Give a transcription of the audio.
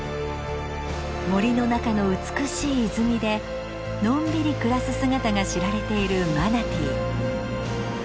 森の中の美しい泉でのんびり暮らす姿が知られているマナティー。